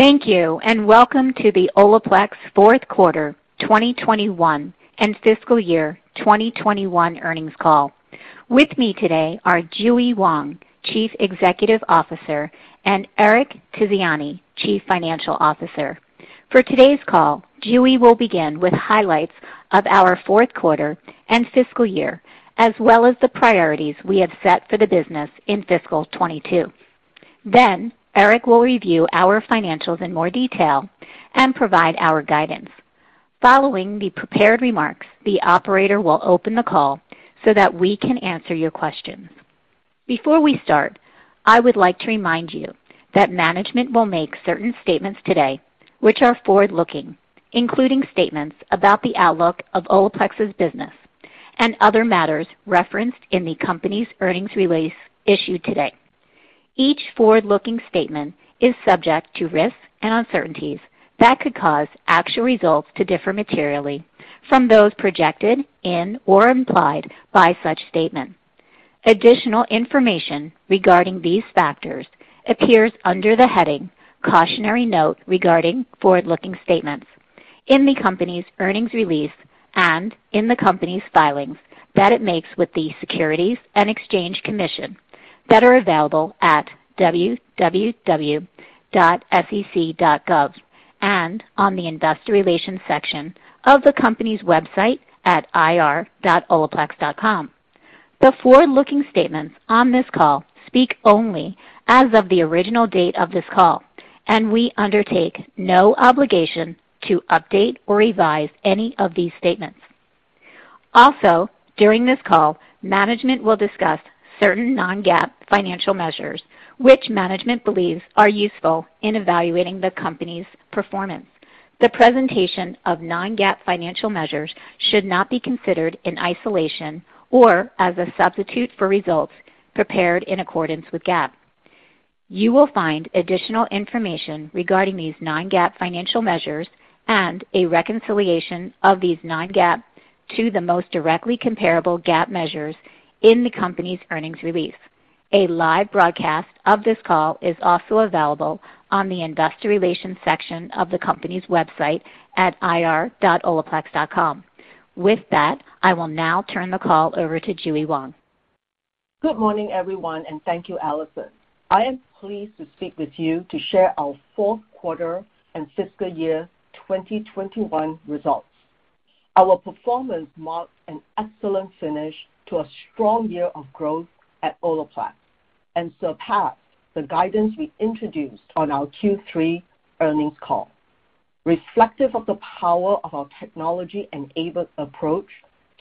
Thank you, and welcome to the Olaplex Q4 2021 and fiscal year 2021 earnings call. With me today are JuE Wong, Chief Executive Officer, and Eric Tiziani, Chief Financial Officer. For today's call, JuE will begin with highlights of our Q4 and fiscal year, as well as the priorities we have set for the business in fiscal 2022. Then Eric will review our financials in more detail and provide our guidance. Following the prepared remarks, the operator will open the call so that we can answer your questions. Before we start, I would like to remind you that management will make certain statements today which are forward-looking, including statements about the outlook of Olaplex's business and other matters referenced in the company's earnings release issued today. Each forward-looking statement is subject to risks and uncertainties that could cause actual results to differ materially from those projected in or implied by such statement. Additional information regarding these factors appears under the heading Cautionary Note Regarding Forward-Looking Statements in the company's earnings release and in the company's filings that it makes with the Securities and Exchange Commission that are available at www.sec.gov and on the Investor Relations section of the company's website at ir.olaplex.com. The forward-looking statements on this call speak only as of the original date of this call, and we undertake no obligation to update or revise any of these statements. Also, during this call, management will discuss certain non-GAAP financial measures which management believes are useful in evaluating the company's performance. The presentation of non-GAAP financial measures should not be considered in isolation or as a substitute for results prepared in accordance with GAAP. You will find additional information regarding these non-GAAP financial measures and a reconciliation of these non-GAAP to the most directly comparable GAAP measures in the company's earnings release. A live broadcast of this call is also available on the Investor Relations section of the company's website at ir.olaplex.com. With that, I will now turn the call over to JuE Wong. Good morning, everyone, and thank you, Allison. I am pleased to speak with you to share our Q4 and fiscal year 2021 results. Our performance marked an excellent finish to a strong year of growth at Olaplex and surpassed the guidance we introduced on our Q3 earnings call, reflective of the power of our technology-enabled approach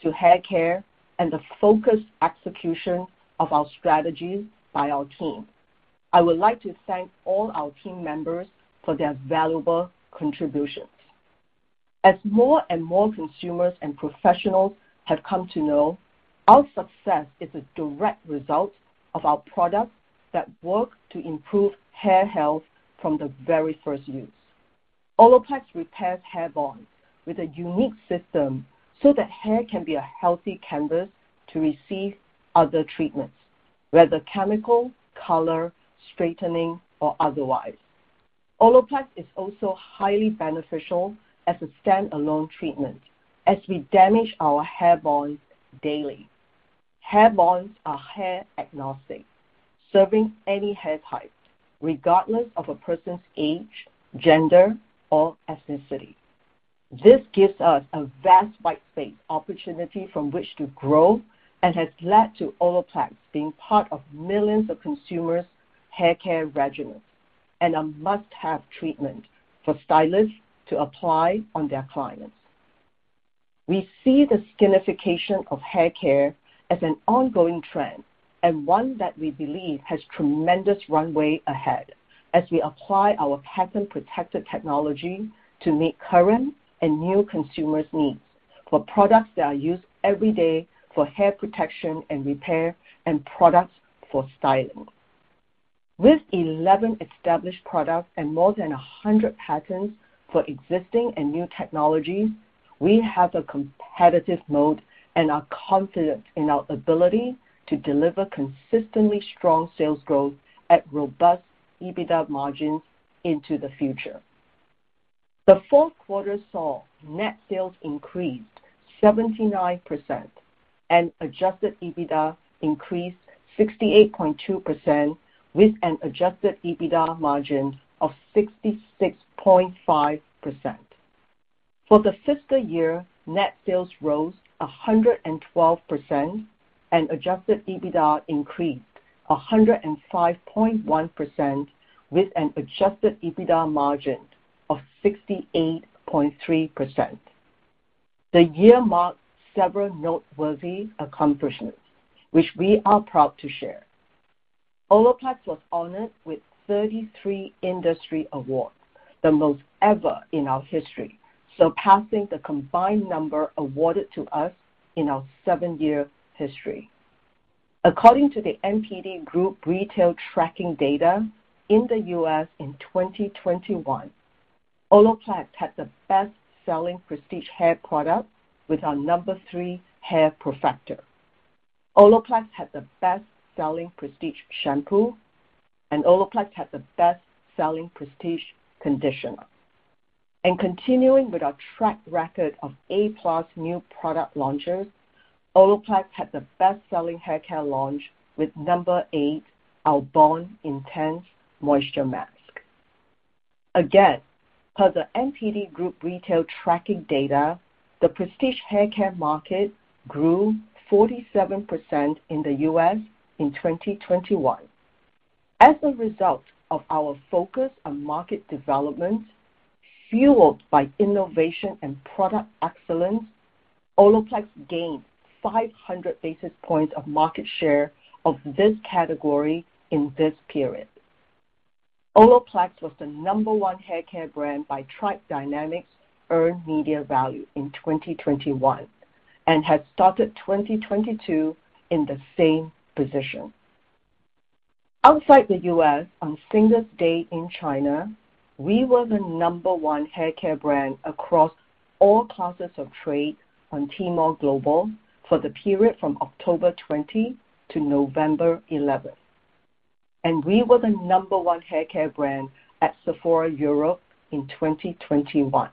to haircare and the focused execution of our strategies by our team. I would like to thank all our team members for their valuable contributions. As more and more consumers and professionals have come to know, our success is a direct result of our products that work to improve hair health from the very first use. Olaplex repairs hair bonds with a unique system so that hair can be a healthy canvas to receive other treatments, whether chemical, color, straightening or otherwise. Olaplex is also highly beneficial as a standalone treatment as we damage our hair bonds daily. Hair bonds are hair-agnostic, serving any hair type regardless of a person's age, gender, or ethnicity. This gives us a vast white space opportunity from which to grow and has led to Olaplex being part of millions of consumers' haircare regimens and a must-have treatment for stylists to apply on their clients. We see the skinification of haircare as an ongoing trend and one that we believe has tremendous runway ahead as we apply our patent-protected technology to meet current and new consumers' needs for products that are used every day for hair protection and repair and products for styling. With 11 established products and more than 100 patents for existing and new technologies, we have a competitive mode and are confident in our ability to deliver consistently strong sales growth at robust EBITDA margins into the future. The Q4 saw net sales increase 79% and adjusted EBITDA increase 68.2% with an adjusted EBITDA margin of 66.5%. For the fiscal year, net sales rose 112% and adjusted EBITDA increased 105.1% with an adjusted EBITDA margin of 68.3%. The year marked several noteworthy accomplishments which we are proud to share. Olaplex was honored with 33 industry awards, the most ever in our history, surpassing the combined number awarded to us in our 7-year history. According to the NPD Group retail tracking data in the U.S. in 2021, Olaplex had the best-selling prestige hair product with our Nº.3 Hair Perfector. Olaplex had the best-selling prestige shampoo, and Olaplex had the best-selling prestige conditioner. Continuing with our track record of A+ new product launches, Olaplex had the best-selling haircare launch with Nº.8, our Bond Intense Moisture Mask. Again, per the NPD Group retail tracking data, the prestige haircare market grew 47% in the U.S. in 2021. As a result of our focus on market development, fueled by innovation and product excellence, Olaplex gained 500 basis points of market share of this category in this period. Olaplex was the number one haircare brand by Tribe Dynamics Earned Media Value in 2021 and has started 2022 in the same position. Outside the US, on Singles' Day in China, we were the number one haircare brand across all classes of trade on Tmall Global for the period from October 20 to November 11. We were the number one haircare brand at Sephora Europe in 2021.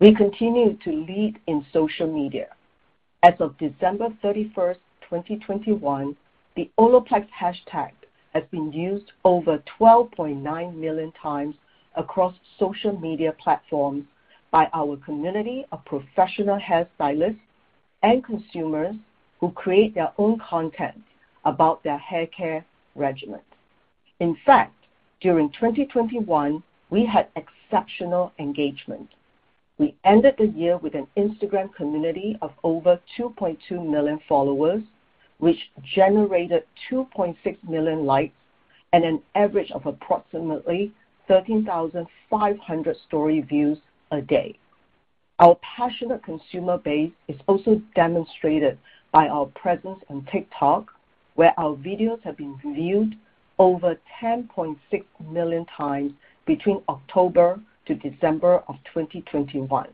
We continue to lead in social media. As of 31 December 2021, the Olaplex hashtag has been used over 12.9 million times across social media platforms by our community of professional hairstylists and consumers who create their own content about their haircare regimen. In fact, during 2021, we had exceptional engagement. We ended the year with an Instagram community of over 2.2 million followers, which generated 2.6 million likes and an average of approximately 13,500 story views a day. Our passionate consumer base is also demonstrated by our presence on TikTok, where our videos have been viewed over 10.6 million times between October to December of 2021.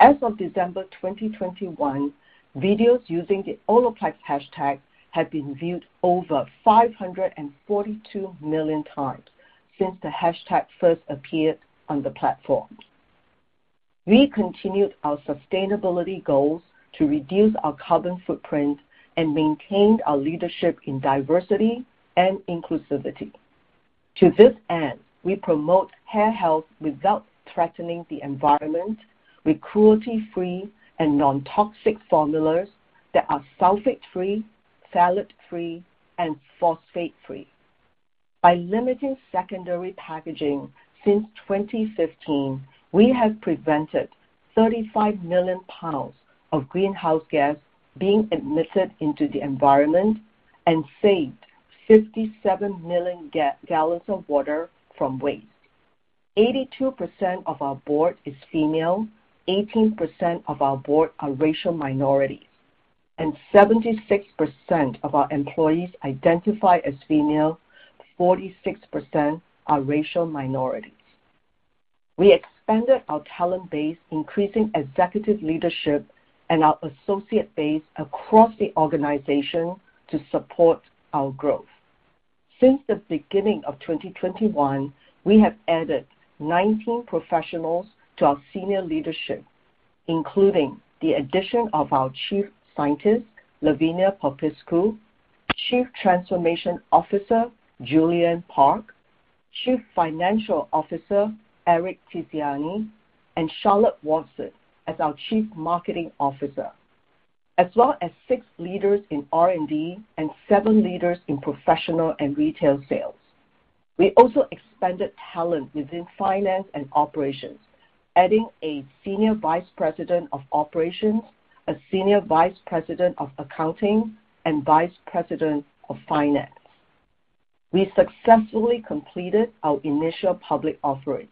As of December 2021, videos using the Olaplex hashtag have been viewed over 542 million times since the hashtag first appeared on the platform. We continued our sustainability goals to reduce our carbon footprint and maintained our leadership in diversity and inclusivity. To this end, we promote hair health without threatening the environment with cruelty-free and non-toxic formulas that are sulfate-free, phthalate-free, and phosphate-free. By limiting secondary packaging since 2015, we have prevented 35 million pounds of greenhouse gas being emitted into the environment and saved 57 million gallons of water from waste. 82% of our board is female, 18% of our board are racial minorities, and 76% of our employees identify as female, 46% are racial minorities. We expanded our talent base, increasing executive leadership and our associate base across the organization to support our growth. Since the beginning of 2021, we have added 19 professionals to our senior leadership, including the addition of our Chief Scientist, Lavinia Popescu, Chief Transformation Officer, Juliane Park, Chief Financial Officer, Eric Tiziani, and Charlotte Watson as our Chief Marketing Officer, as well as six leaders in R&D and seven leaders in professional and retail sales. We also expanded talent within finance and operations, adding a Senior Vice President of Operations, a Senior Vice President of Accounting, and Vice President of Finance. We successfully completed our initial public offering.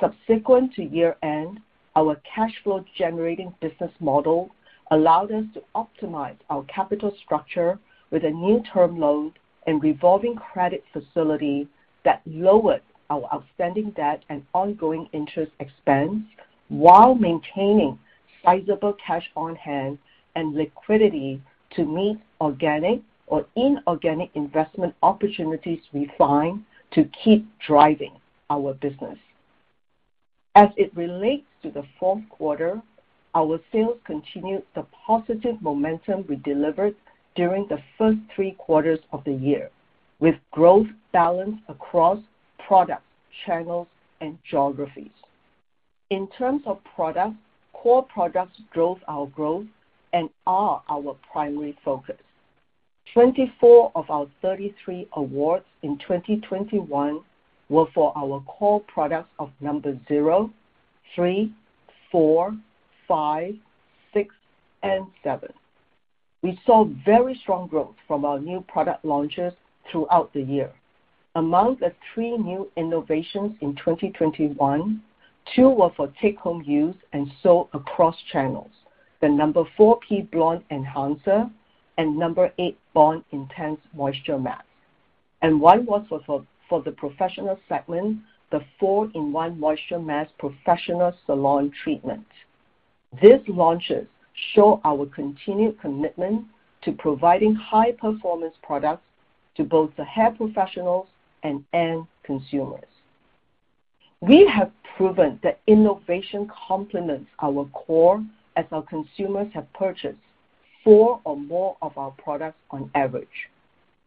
Subsequent to year-end, our cash flow generating business model allowed us to optimize our capital structure with a new term loan and revolving credit facility that lowered our outstanding debt and ongoing interest expense while maintaining sizable cash on hand and liquidity to meet organic or inorganic investment opportunities we find to keep driving our business. As it relates to the Q4, our sales continued the positive momentum we delivered during the first three quarters of the year, with growth balanced across products, channels, and geographies. In terms of products, core products drove our growth and are our primary focus. 24 of our 33 awards in 2021 were for our core products of number 0, 3, 4, 5, 6, and 7. We saw very strong growth from our new product launches throughout the year. Among the three new innovations in 2021, two were for take-home use and sold across channels, the Nº.4P Blonde Enhancer and Nº.8 Bond Intense Moisture Mask. One was for the professional segment, the four-in-one moisture mask professional salon treatment. These launches show our continued commitment to providing high-performance products to both the hair professionals and end consumers. We have proven that innovation complements our core as our consumers have purchased four or more of our products on average.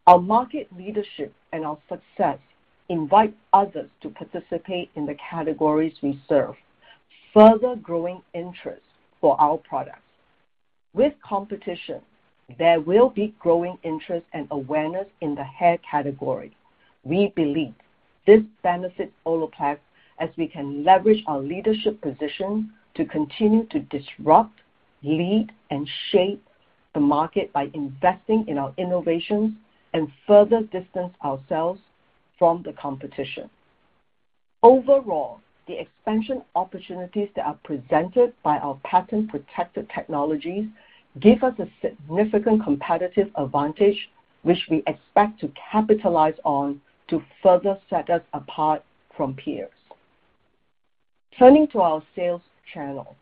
Our market leadership and our success invite others to participate in the categories we serve, further growing interest for our products. With competition, there will be growing interest and awareness in the hair category. We believe this benefits Olaplex as we can leverage our leadership position to continue to disrupt, lead, and shape the market by investing in our innovations and further distance ourselves from the competition. Overall, the expansion opportunities that are presented by our patent-protected technologies give us a significant competitive advantage, which we expect to capitalize on to further set us apart from peers. Turning to our sales channel.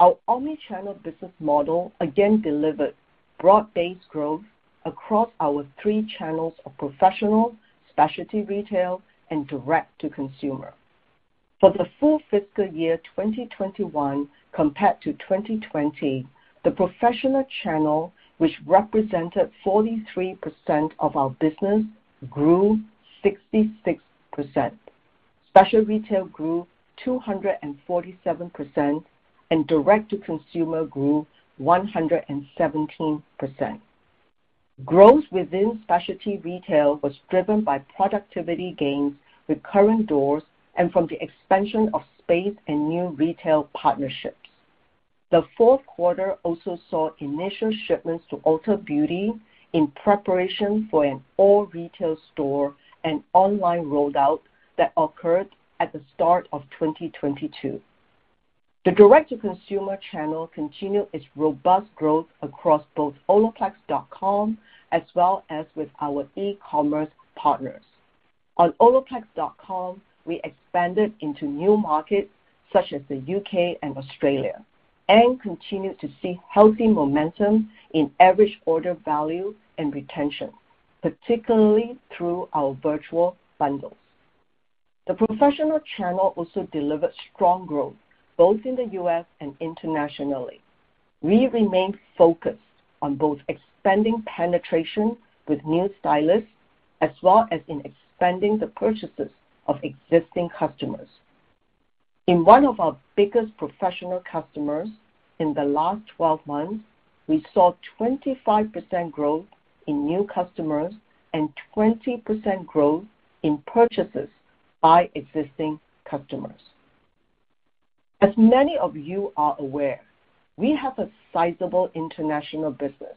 Our omni-channel business model again delivered broad-based growth across our three channels of professional, specialty retail, and direct to consumer. For the full fiscal year 2021 compared to 2020, the professional channel, which represented 43% of our business, grew 66%. Specialty retail grew 247%, and direct to consumer grew 117%. Growth within specialty retail was driven by productivity gains with current doors and from the expansion of space and new retail partnerships. The Q4 also saw initial shipments to Ulta Beauty in preparation for an all-retail store and online rollout that occurred at the start of 2022. The direct-to-consumer channel continued its robust growth across both olaplex.com as well as with our e-commerce partners. On olaplex.com, we expanded into new markets such as the U.K. and Australia and continued to see healthy momentum in average order value and retention, particularly through our virtual bundles. The professional channel also delivered strong growth both in the U.S. and internationally. We remain focused on both expanding penetration with new stylists as well as in expanding the purchases of existing customers. In one of our biggest professional customers in the last 12 months, we saw 25% growth in new customers and 20% growth in purchases by existing customers. As many of you are aware, we have a sizable international business,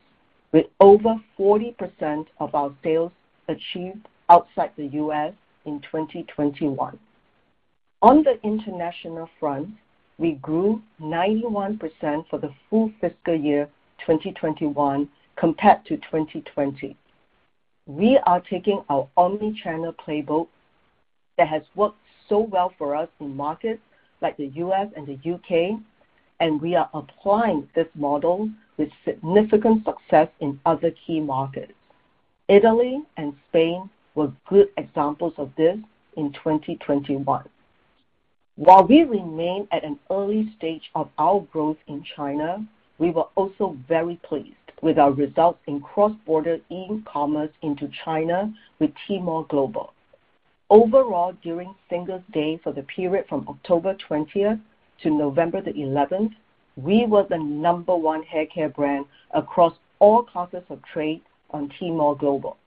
with over 40% of our sales achieved outside the U.S. in 2021. On the international front, we grew 91% for the full fiscal year 2021 compared to 2020. We are taking our omni-channel playbook that has worked so well for us in markets like the U.S. and the U.K., and we are applying this model with significant success in other key markets. Italy and Spain were good examples of this in 2021. While we remain at an early stage of our growth in China, we were also very pleased with our results in cross-border e-commerce into China with Tmall Global. Overall, during Singles' Day for the period from October 20 to November 11, we were the number one haircare brand across all classes of trade on Tmall Global.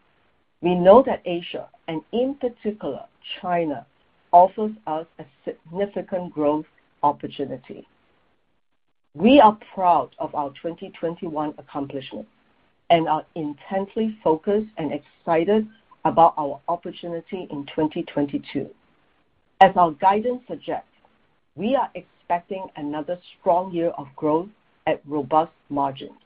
We know that Asia, and in particular China, offers us a significant growth opportunity. We are proud of our 2021 accomplishments and are intensely focused and excited about our opportunity in 2022. As our guidance suggests, we are expecting another strong year of growth at robust margins.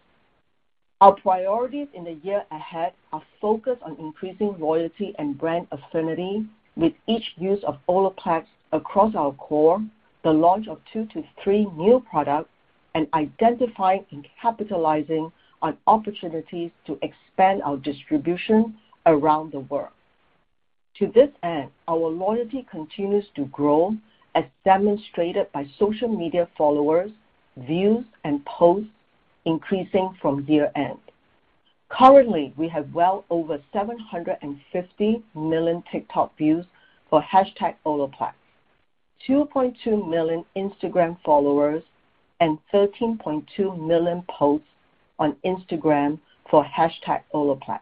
Our priorities in the year ahead are focused on increasing loyalty and brand affinity with each use of Olaplex across our core, the launch of 2 to 3 new products, and identifying and capitalizing on opportunities to expand our distribution around the world. To this end, our loyalty continues to grow as demonstrated by social media followers, views, and posts increasing from year-end. Currently, we have well over 750 million TikTok views for hashtag Olaplex, 2.2 million Instagram followers, and 13.2 million posts on Instagram for hashtag Olaplex.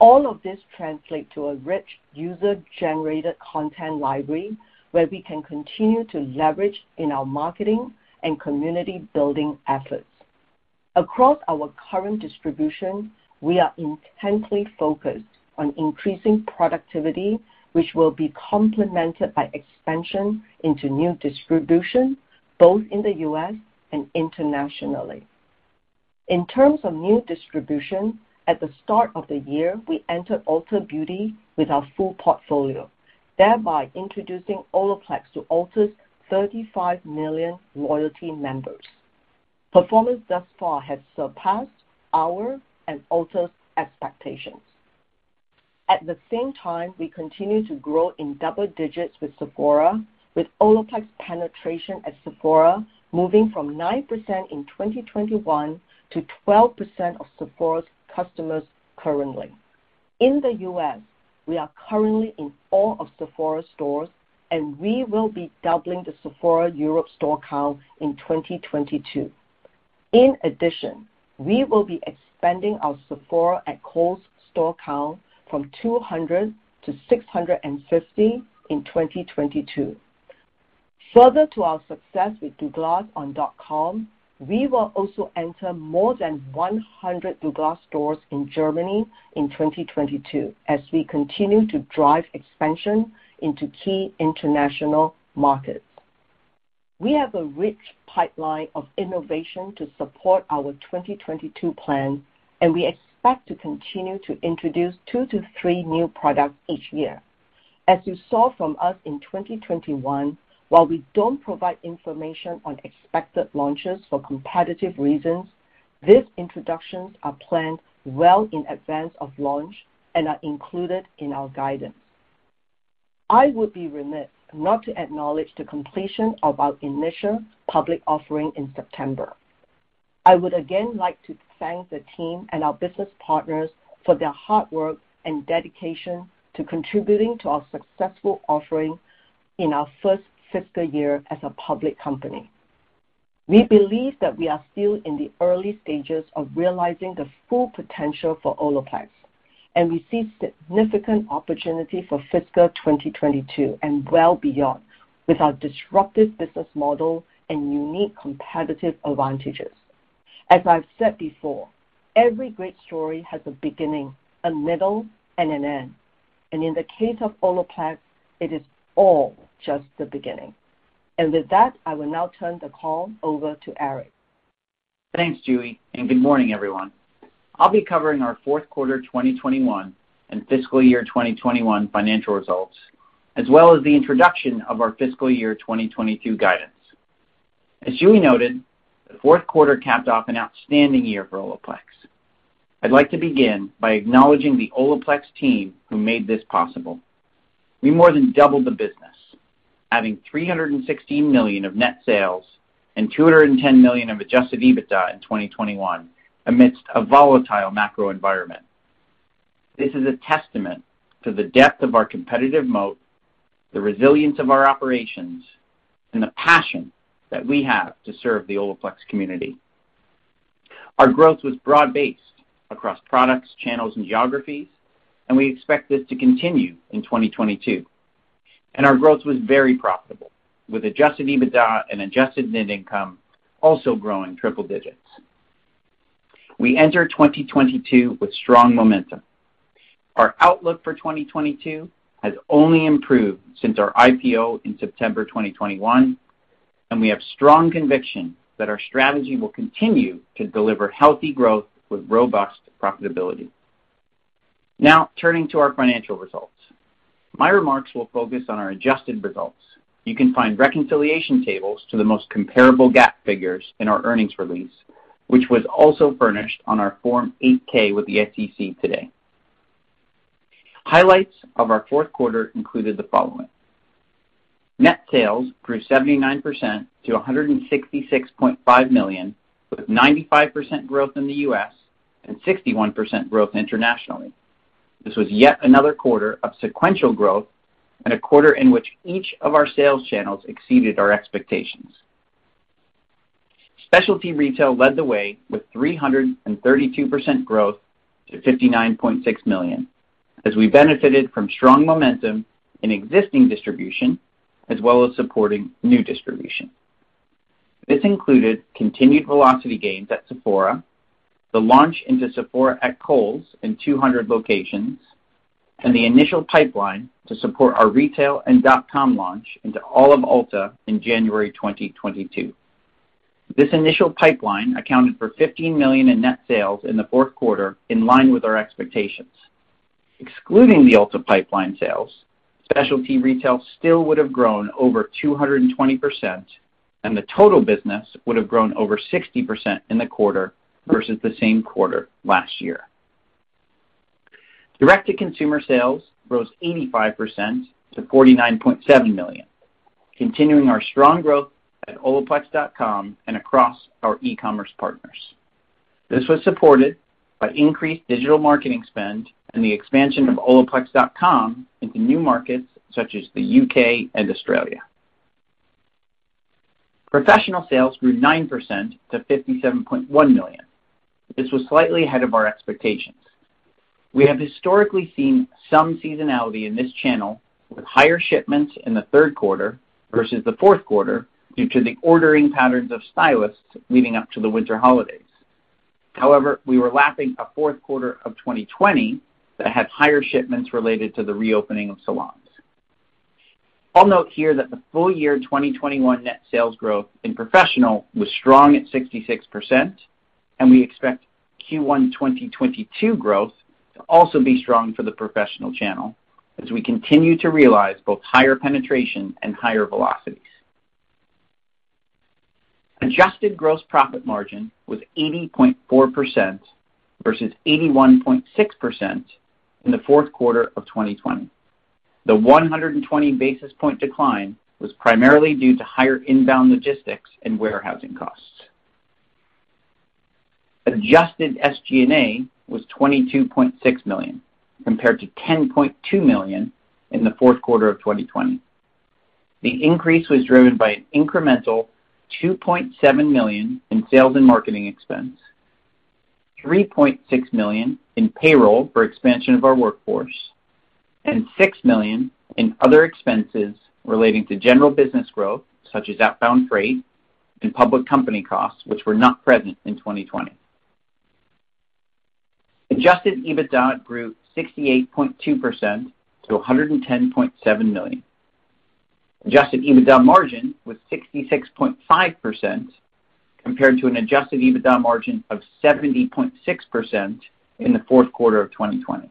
All of this translate to a rich user-generated content library where we can continue to leverage in our marketing and community building efforts. Across our current distribution, we are intensely focused on increasing productivity, which will be complemented by expansion into new distribution, both in the U.S. and internationally. In terms of new distribution, at the start of the year, we entered Ulta Beauty with our full portfolio, thereby introducing Olaplex to Ulta's 35 million loyalty members. Performance thus far has surpassed our and Ulta's expectations. At the same time, we continue to grow in double digits with Sephora, with Olaplex penetration at Sephora moving from 9% in 2021 to 12% of Sephora's customers currently. In the U.S., we are currently in all of Sephora stores, and we will be doubling the Sephora Europe store count in 2022. In addition, we will be expanding our Sephora at Kohl's store count from 200 to 650 in 2022. Further to our success with douglas.com, we will also enter more than 100 Douglas stores in Germany in 2022 as we continue to drive expansion into key international markets. We have a rich pipeline of innovation to support our 2022 plan, and we expect to continue to introduce 2 to 3 new products each year. As you saw from us in 2021, while we don't provide information on expected launches for competitive reasons, these introductions are planned well in advance of launch and are included in our guidance. I would be remiss not to acknowledge the completion of our initial public offering in September. I would again like to thank the team and our business partners for their hard work and dedication to contributing to our successful offering in our first fiscal year as a public company. We believe that we are still in the early stages of realizing the full potential for Olaplex, and we see significant opportunity for fiscal 2022 and well beyond with our disruptive business model and unique competitive advantages. As I've said before, every great story has a beginning, a middle, and an end. In the case of Olaplex, it is all just the beginning. With that, I will now turn the call over to Eric. Thanks, JuE, and good morning, everyone. I'll be covering our Q4 2021 and fiscal year 2021 financial results, as well as the introduction of our fiscal year 2022 guidance. As JuE noted, the Q4 capped off an outstanding year for Olaplex. I'd like to begin by acknowledging the Olaplex team who made this possible. We more than doubled the business, adding $316 million of net sales and $210 million of adjusted EBITDA in 2021 amidst a volatile macro environment. This is a testament to the depth of our competitive moat, the resilience of our operations, and the passion that we have to serve the Olaplex community. Our growth was broad-based across products, channels, and geographies, and we expect this to continue in 2022. Our growth was very profitable, with adjusted EBITDA and adjusted net income also growing triple digits. We enter 2022 with strong momentum. Our outlook for 2022 has only improved since our IPO in September 2021, and we have strong conviction that our strategy will continue to deliver healthy growth with robust profitability. Now turning to our financial results. My remarks will focus on our adjusted results. You can find reconciliation tables to the most comparable GAAP figures in our earnings release, which was also furnished on our Form 8-K with the SEC today. Highlights of our Q4 included the following: Net sales grew 79% to $166.5 million, with 95% growth in the U.S. and 61% growth internationally. This was yet another quarter of sequential growth and a quarter in which each of our sales channels exceeded our expectations. Specialty retail led the way with 332% growth to $59.6 million as we benefited from strong momentum in existing distribution, as well as supporting new distribution. This included continued velocity gains at Sephora, the launch into Sephora at Kohl's in 200 locations, and the initial pipeline to support our retail and dot com launch into all of Ulta in January 2022. This initial pipeline accounted for $15 million in net sales in the Q4, in line with our expectations. Excluding the Ulta pipeline sales, specialty retail still would have grown over 220%, and the total business would have grown over 60% in the quarter versus the same quarter last year. Direct-to-consumer sales rose 85% to $49.7 million, continuing our strong growth at olaplex.com and across our e-commerce partners. This was supported by increased digital marketing spend and the expansion of olaplex.com into new markets such as the U.K. and Australia. Professional sales grew 9% to $57.1 million. This was slightly ahead of our expectations. We have historically seen some seasonality in this channel, with higher shipments in the Q3 versus the Q4 due to the ordering patterns of stylists leading up to the winter holidays. However, we were lapping a Q4 of 2020 that had higher shipments related to the reopening of salons. I'll note here that the full year 2021 net sales growth in professional was strong at 66%, and we expect Q1 2022 growth to also be strong for the professional channel as we continue to realize both higher penetration and higher velocities. Adjusted gross profit margin was 80.4% versus 81.6% in the Q4 of 2020. The 120 basis point decline was primarily due to higher inbound logistics and warehousing costs. Adjusted SG&A was $22.6 million, compared to $10.2 million in the Q4 of 2020. The increase was driven by an incremental $2.7 million in sales and marketing expense, $3.6 million in payroll for expansion of our workforce, and $6 million in other expenses relating to general business growth, such as outbound freight and public company costs, which were not present in 2020. Adjusted EBITDA grew 68.2% to $110.7 million. Adjusted EBITDA margin was 66.5% compared to an adjusted EBITDA margin of 70.6% in the Q4 of 2020.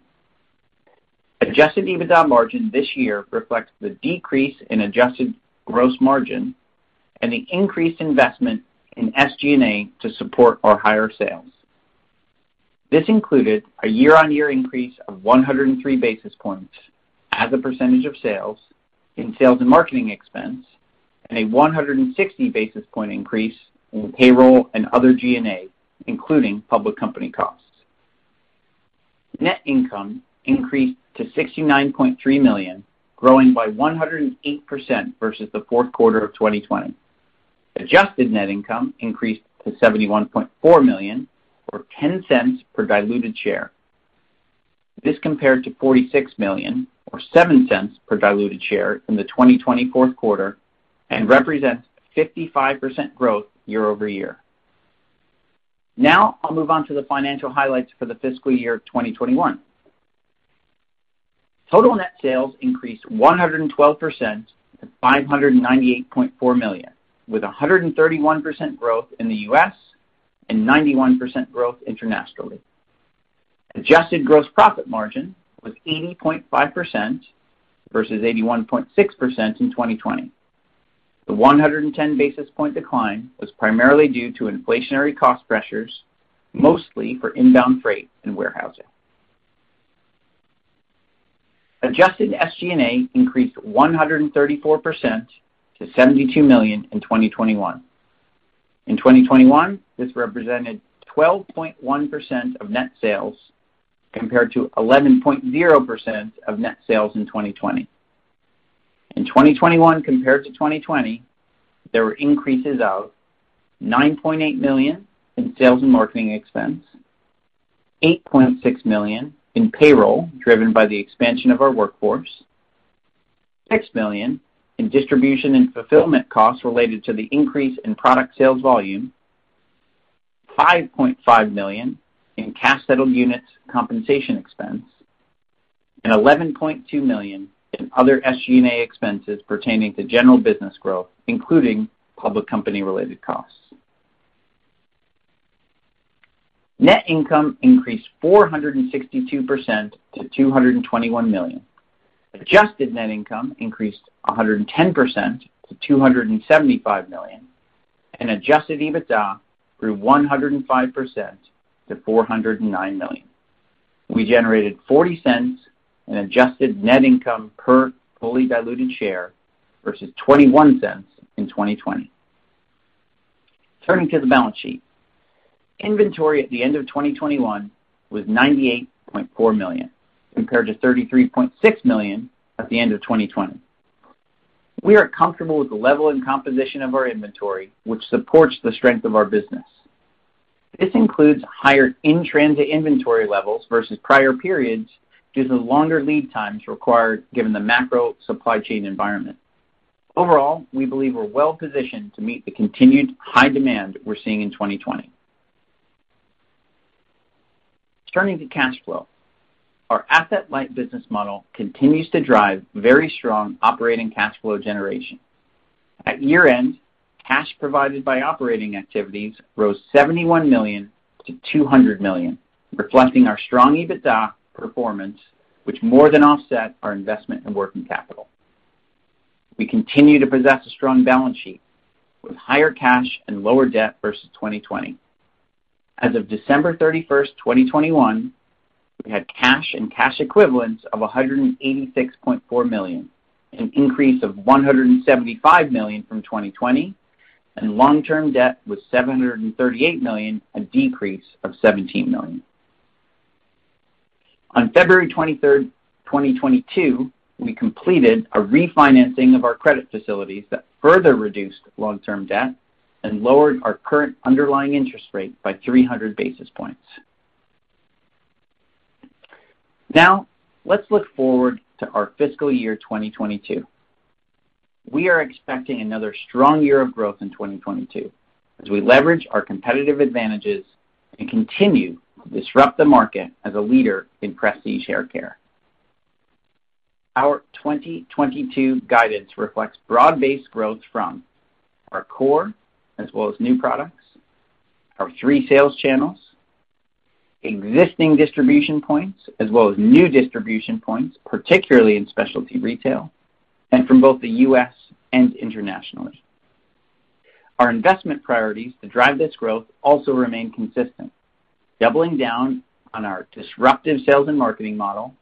Adjusted EBITDA margin this year reflects the decrease in adjusted gross margin and the increased investment in SG&A to support our higher sales. This included a year-on-year increase of 103 basis points as a percentage of sales in sales and marketing expense and a 160 basis point increase in payroll and other G&A, including public company costs. Net income increased to $69.3 million, growing by 108% versus the Q4 of 2020. Adjusted net income increased to $71.4 million or $0.10 per diluted share. This compared to $46 million or $0.07 per diluted share from the 2020 Q4 and represents 55% growth year-over-year. Now I'll move on to the financial highlights for the fiscal year 2021. Total net sales increased 112% to $598.4 million, with a 131% growth in the U.S. and 91% growth internationally. Adjusted gross profit margin was 80.5% versus 81.6% in 2020. The 110 basis point decline was primarily due to inflationary cost pressures, mostly for inbound freight and warehousing. Adjusted SG&A increased 134% to $72 million in 2021. In 2021, this represented 12.1% of net sales, compared to 11.0% of net sales in 2020. In 2021 compared to 2020, there were increases of $9.8 million in sales and marketing expense, $8.6 million in payroll driven by the expansion of our workforce, $6 million in distribution and fulfillment costs related to the increase in product sales volume, $5.5 million in cash settled units compensation expense, and $11.2 million in other SG&A expenses pertaining to general business growth, including public company-related costs. Net income increased 462% to $221 million. Adjusted net income increased 110% to $275 million, and adjusted EBITDA grew 105% to $409 million. We generated $0.40 in adjusted net income per fully diluted share versus $0.21 in 2020. Turning to the balance sheet. Inventory at the end of 2021 was $98.4 million, compared to $33.6 million at the end of 2020. We are comfortable with the level and composition of our inventory, which supports the strength of our business. This includes higher in-transit inventory levels versus prior periods due to longer lead times required given the macro supply chain environment. Overall, we believe we're well positioned to meet the continued high demand we're seeing in 2022. Turning to cash flow. Our asset-light business model continues to drive very strong operating cash flow generation. At year-end, cash provided by operating activities rose $71 to 200 million, reflecting our strong EBITDA performance, which more than offset our investment in working capital. We continue to possess a strong balance sheet with higher cash and lower debt versus 2020. As of 31 December 2021, we had cash and cash equivalents of $186.4 million, an increase of $175 million from 2020, and long-term debt was $738 million, a decrease of $17 million. On 23 February 2022, we completed a refinancing of our credit facilities that further reduced long-term debt and lowered our current underlying interest rate by 300 basis points. Now let's look forward to our fiscal year 2022. We are expecting another strong year of growth in 2022 as we leverage our competitive advantages and continue to disrupt the market as a leader in prestige hair care. Our 2022 guidance reflects broad-based growth from our core as well as new products, our three sales channels, existing distribution points, as well as new distribution points, particularly in specialty retail, and from both the U.S. and internationally. Our investment priorities to drive this growth also remain consistent, doubling down on our disruptive sales and marketing model,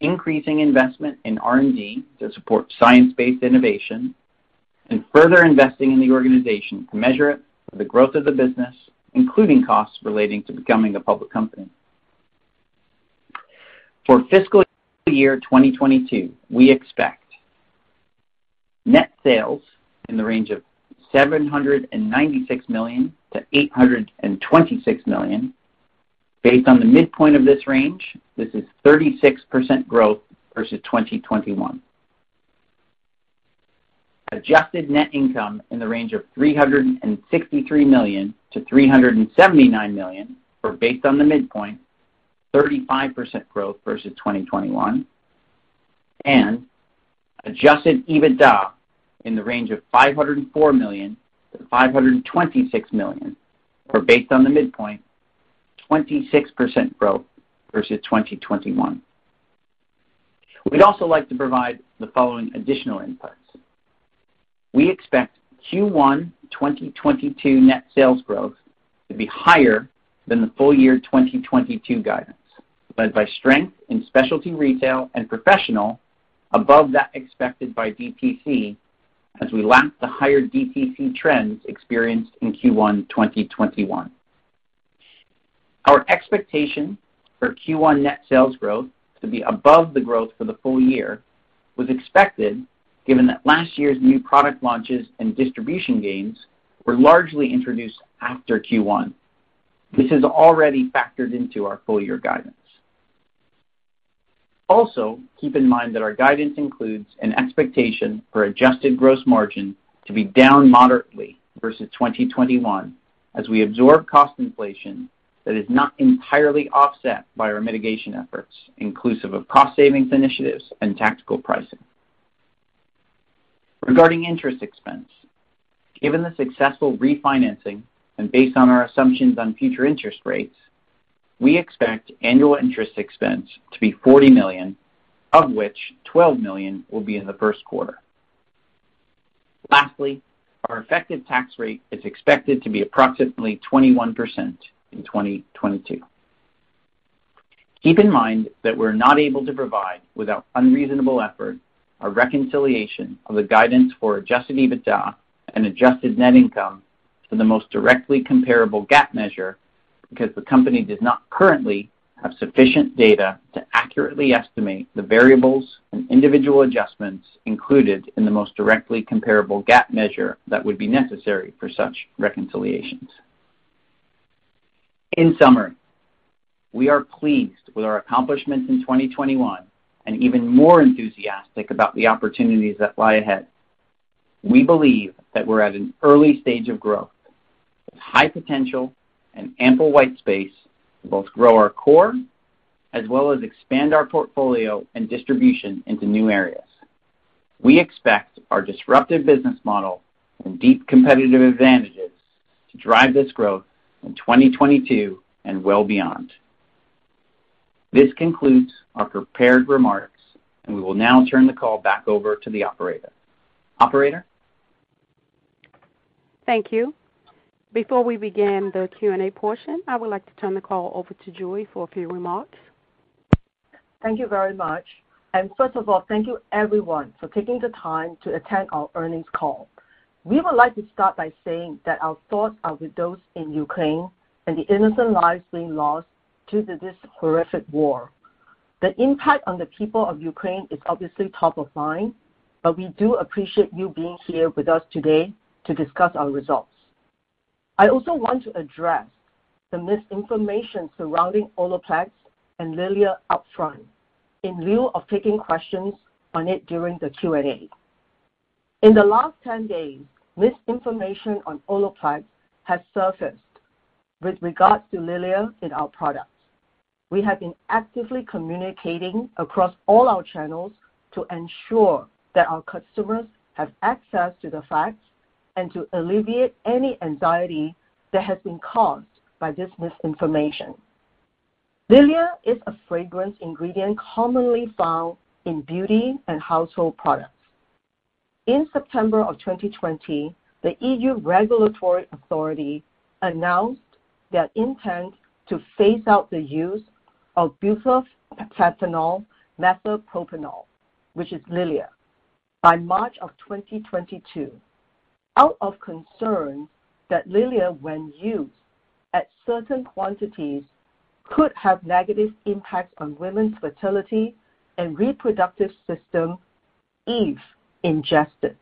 increasing investment in R&D to support science-based innovation, and further investing in the organization to measure it for the growth of the business, including costs relating to becoming a public company. For fiscal year 2022, we expect net sales in the range of $796 to 826 million. Based on the midpoint of this range, this is 36% growth versus 2021. Adjusted net income in the range of $363 to 379 million, or based on the midpoint, 35% growth versus 2021, and adjusted EBITDA in the range of $504 to 526 million, or based on the midpoint, 26% growth versus 2021. We'd also like to provide the following additional inputs. We expect Q1 2022 net sales growth to be higher than the full year 2022 guidance, led by strength in specialty retail and professional above that expected by DTC as we lap the higher DTC trends experienced in Q1 2021. Our expectation for Q1 net sales growth to be above the growth for the full year was expected given that last year's new product launches and distribution gains were largely introduced after Q1. This is already factored into our full year guidance. Also, keep in mind that our guidance includes an expectation for adjusted gross margin to be down moderately versus 2021 as we absorb cost inflation that is not entirely offset by our mitigation efforts, inclusive of cost savings initiatives and tactical pricing. Regarding interest expense, given the successful refinancing and based on our assumptions on future interest rates, we expect annual interest expense to be $40 million, of which $12 million will be in the Q1. Lastly, our effective tax rate is expected to be approximately 21% in 2022. Keep in mind that we're not able to provide without unreasonable effort a reconciliation of the guidance for adjusted EBITDA and adjusted net income to the most directly comparable GAAP measure because the company does not currently have sufficient data to accurately estimate the variables and individual adjustments included in the most directly comparable GAAP measure that would be necessary for such reconciliations. In summary, we are pleased with our accomplishments in 2021 and even more enthusiastic about the opportunities that lie ahead. We believe that we're at an early stage of growth with high potential and ample white space to both grow our core as well as expand our portfolio and distribution into new areas. We expect our disruptive business model and deep competitive advantages to drive this growth in 2022 and well beyond. This concludes our prepared remarks, and we will now turn the call back over to the operator. Operator? Thank you. Before we begin the Q&A portion, I would like to turn the call over to JuE Wong for a few remarks. Thank you very much. First of all, thank you everyone for taking the time to attend our earnings call. We would like to start by saying that our thoughts are with those in Ukraine and the innocent lives being lost due to this horrific war. The impact on the people of Ukraine is obviously top of mind, but we do appreciate you being here with us today to discuss our results. I also want to address the misinformation surrounding Olaplex and Lilial up front in lieu of taking questions on it during the Q&A. In the last 10 days, misinformation on Olaplex has surfaced with regards to Lilial in our products. We have been actively communicating across all our channels to ensure that our customers have access to the facts and to alleviate any anxiety that has been caused by this misinformation. Lilial is a fragrance ingredient commonly found in beauty and household products. In September of 2020, the EU regulatory authority announced their intent to phase out the use of Butylphenyl Methylpropional, which is Lilial, by March of 2022, out of concern that Lilial when used at certain quantities could have negative impacts on women's fertility and reproductive system if ingested.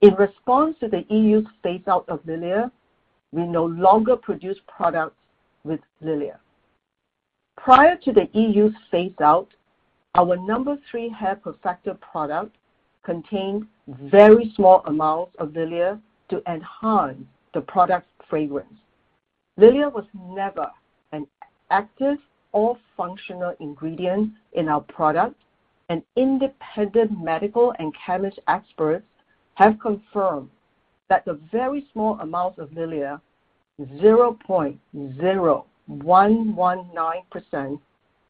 In response to the EU's phase out of Lilial, we no longer produce products with Lilial. Prior to the EU phase out, our No. 3 Hair Perfector product contained very small amounts of Lilial to enhance the product fragrance. Lilial was never an active or functional ingredient in our product, and independent medical and chemist experts have confirmed that the very small amounts of Lilial, 0.0119%,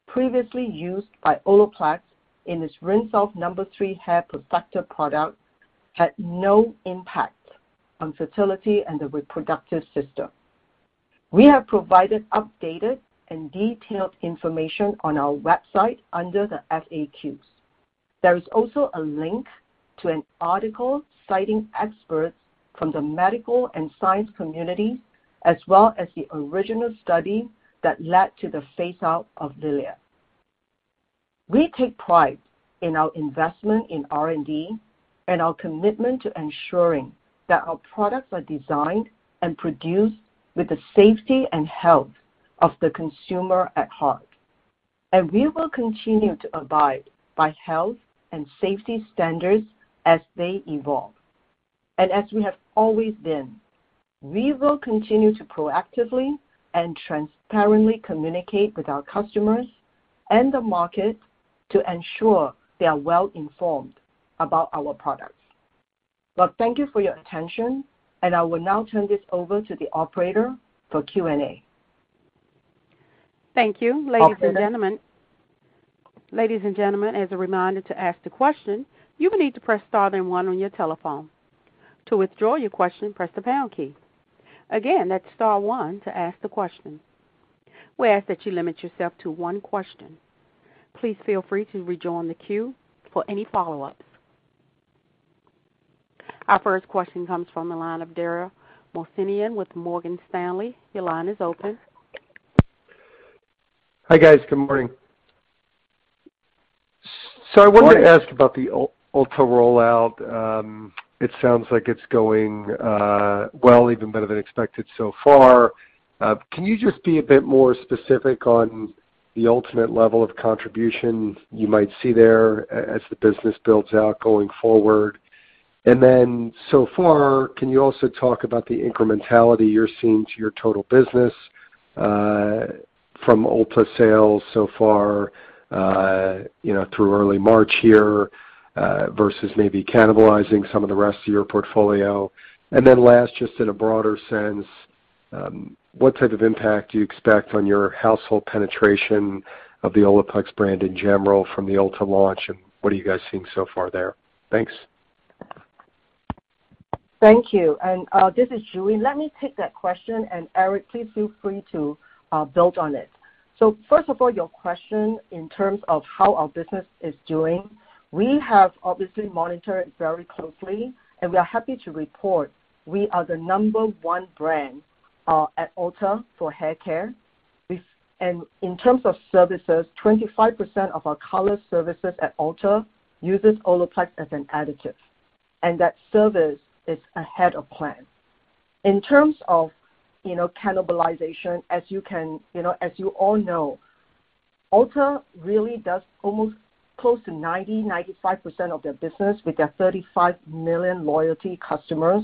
previously used by Olaplex in its rinse off No. Nº.3 Hair Perfector product had no impact on fertility and the reproductive system. We have provided updated and detailed information on our website under the FAQs. There is also a link to an article citing experts from the medical and science community, as well as the original study that led to the phase out of Lilial. We take pride in our investment in R&D and our commitment to ensuring that our products are designed and produced with the safety and health of the consumer at heart. We will continue to abide by health and safety standards as they evolve. As we have always been, we will continue to proactively and transparently communicate with our customers and the market to ensure they are well informed about our products. Well, thank you for your attention, and I will now turn this over to the operator for Q&A. Thank you. Operator. Ladies and gentlemen, as a reminder to ask the question, you will need to press star then one on your telephone. To withdraw your question, press the pound key. Again, that's star one to ask the question. We ask that you limit yourself to one question. Please feel free to rejoin the queue for any follow-ups. Our first question comes from the line of Dara Mohsenian with Morgan Stanley. Your line is open. Hi, guys. Good morning. I wanted to ask about the Ulta rollout. It sounds like it's going well, even better than expected so far. Can you just be a bit more specific on the ultimate level of contribution you might see there as the business builds out going forward? So far, can you also talk about the incrementality you're seeing to your total business from Ulta sales so far you know through early March here versus maybe cannibalizing some of the rest of your portfolio? In a broader sense, what type of impact do you expect on your household penetration of the Olaplex brand in general from the Ulta launch, and what are you guys seeing so far there? Thanks. Thank you. This is JuE Wong. Let me take that question, and Eric Tiziani, please feel free to build on it. First of all, your question in terms of how our business is doing, we have obviously monitored very closely, and we are happy to report we are the number one brand at Ulta for hair care. In terms of services, 25% of our color services at Ulta uses Olaplex as an additive, and that service is ahead of plan. In terms of, you know, cannibalization, as you can, you know, as you all know, Ulta really does almost close to 95% of their business with their 35 million loyalty customers.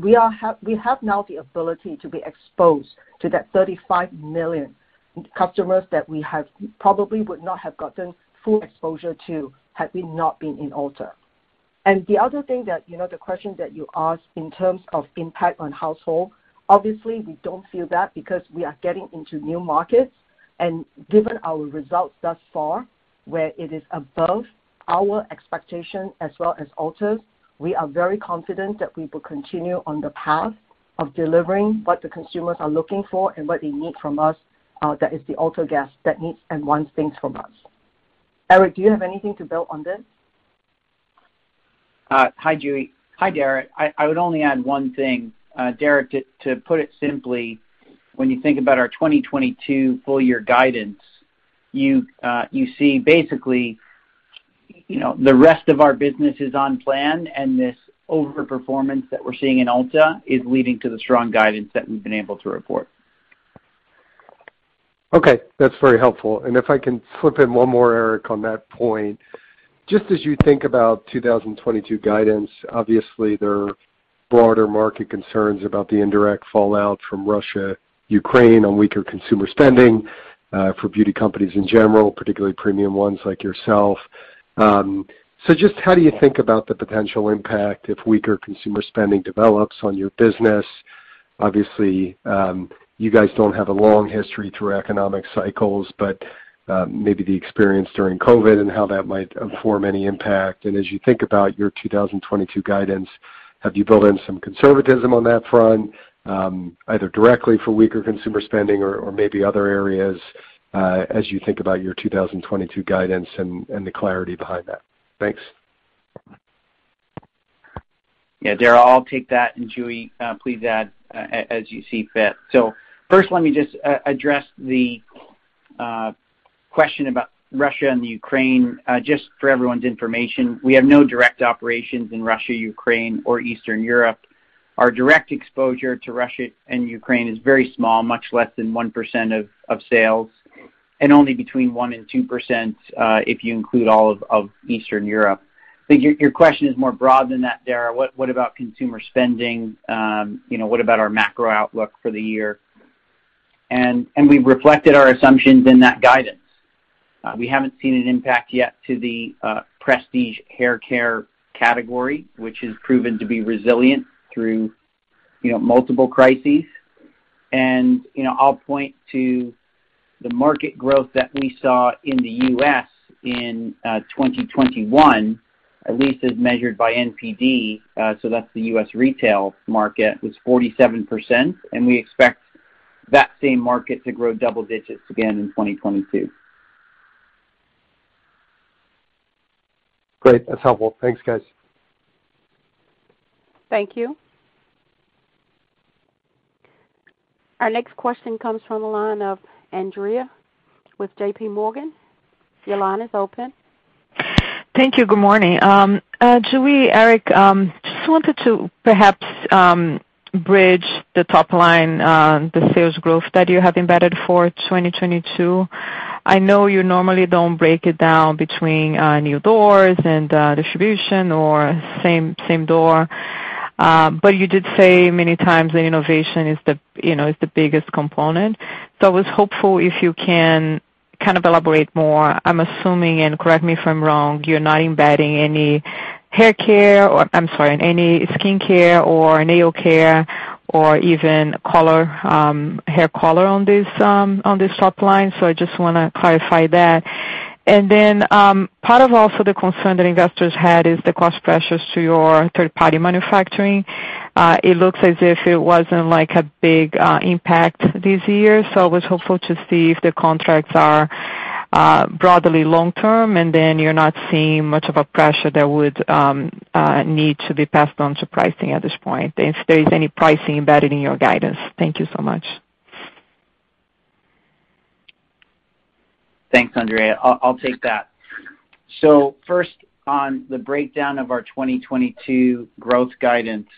We have now the ability to be exposed to that 35 million customers that we have probably would not have gotten full exposure to had we not been in Ulta. The other thing that, you know, the question that you asked in terms of impact on household, obviously, we don't feel that because we are getting into new markets. Given our results thus far, where it is above our expectation as well as Ulta, we are very confident that we will continue on the path of delivering what the consumers are looking for and what they need from us, that is the Ulta guest that needs and wants things from us. Eric, do you have anything to build on this? Hi, Julie. Hi, Dara. I would only add one thing. Darragh, to put it simply, when you think about our 2022 full year guidance, you see basically, you know, the rest of our business is on plan, and this overperformance that we're seeing in Ulta is leading to the strong guidance that we've been able to report. Okay, that's very helpful. If I can slip in one more, Eric, on that point. Just as you think about 2022 guidance, obviously, there are broader market concerns about the indirect fallout from Russia, Ukraine on weaker consumer spending for beauty companies in general, particularly premium ones like yourself. So just how do you think about the potential impact if weaker consumer spending develops on your business? Obviously, you guys don't have a long history through economic cycles, but maybe the experience during COVID and how that might inform any impact. As you think about your 2022 guidance, have you built in some conservatism on that front, either directly for weaker consumer spending or maybe other areas, as you think about your 2022 guidance and the clarity behind that? Thanks. Yeah, Dara, I'll take that, and JuE, please add as you see fit. First, let me just address the question about Russia and the Ukraine. Just for everyone's information, we have no direct operations in Russia, Ukraine, or Eastern Europe. Our direct exposure to Russia and Ukraine is very small, much less than 1% of sales, and only between 1% and 2%, if you include all of Eastern Europe. I think your question is more broad than that, Dara. What about consumer spending? You know, what about our macro outlook for the year? We've reflected our assumptions in that guidance. We haven't seen an impact yet to the prestige hair care category, which has proven to be resilient through, you know, multiple crises. You know, I'll point to the market growth that we saw in the U.S. in 2021, at least as measured by NPD, so that's the U.S. retail market, was 47%, and we expect that same market to grow double digits again in 2022. Great. That's helpful. Thanks, guys. Thank you. Our next question comes from the line of Andrea with JP Morgan. Your line is open. Thank you. Good morning. Julie, Eric, just wanted to perhaps bridge the top line, the sales growth that you have embedded for 2022. I know you normally don't break it down between new doors and distribution or same door, but you did say many times that innovation is the, you know, is the biggest component. I was hopeful if you can kind of elaborate more. I'm assuming, and correct me if I'm wrong, you're not embedding any skincare or nail care or even color, hair color on this top line, so I just wanna clarify that. Part of also the concern that investors had is the cost pressures to your third-party manufacturing. It looks as if it wasn't, like, a big impact this year, so I was hopeful to see if the contracts are broadly long term, and then you're not seeing much of a pressure that would need to be passed on to pricing at this point, if there is any pricing embedded in your guidance. Thank you so much. Thanks, Andrea. I'll take that. First on the breakdown of our 2022 growth guidance.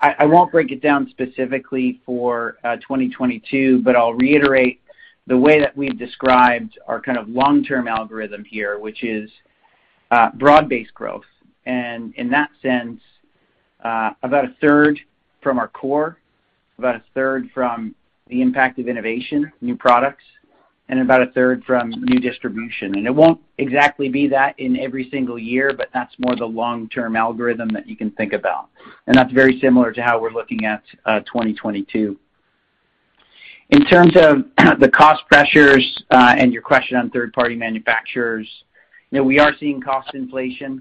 I won't break it down specifically for 2022, but I'll reiterate the way that we've described our kind of long-term algorithm here, which is broad-based growth. In that sense, about a third from our core, about a third from the impact of innovation, new products, and about a third from new distribution. It won't exactly be that in every single year, but that's more the long-term algorithm that you can think about. That's very similar to how we're looking at 2022. In terms of the cost pressures and your question on third-party manufacturers, you know, we are seeing cost inflation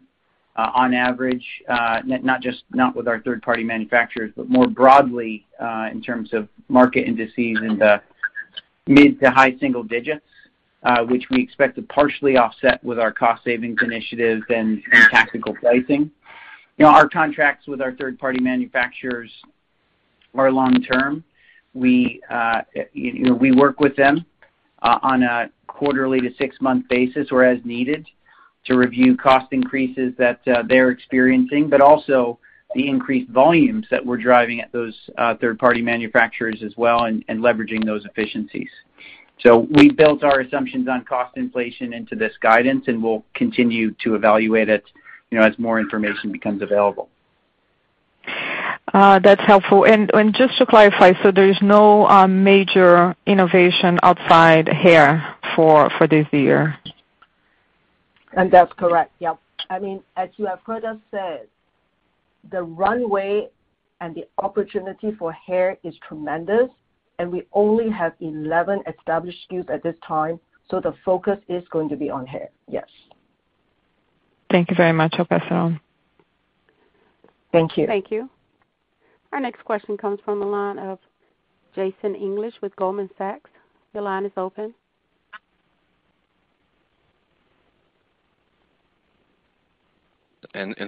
on average, not just, not with our third-party manufacturers, but more broadly in terms of market indices in the mid to high single digits, which we expect to partially offset with our cost savings initiatives and tactical pricing. You know, our contracts with our third-party manufacturers are long-term. You know, we work with them on a quarterly to six-month basis or as needed to review cost increases that they're experiencing, but also the increased volumes that we're driving at those third-party manufacturers as well and leveraging those efficiencies. We built our assumptions on cost inflation into this guidance, and we'll continue to evaluate it, you know, as more information becomes available. That's helpful. Just to clarify, so there's no major innovation outside hair for this year? That's correct. Yep. I mean, as you have heard us say, the runway and the opportunity for hair is tremendous, and we only have 11 established SKUs at this time, so the focus is going to be on hair. Yes. Thank you very much. I'll pass it on. Thank you. Thank you. Our next question comes from the line of Jason English with Goldman Sachs. Your line is open.